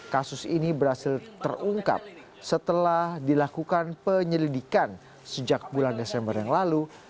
kasus ini berhasil terungkap setelah dilakukan penyelidikan sejak bulan desember yang lalu